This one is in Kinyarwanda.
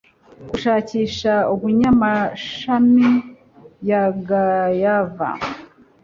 gushakisha abanyamashami ya guava